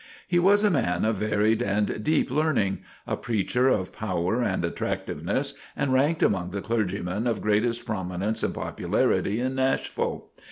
He was a man of varied and deep learning a preacher of power and attractiveness, and ranked among the clergymen of greatest prominence and popularity in Nashville.